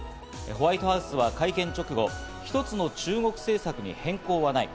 ホワイトハウスは会見直後、一つの中国政策に変更はない。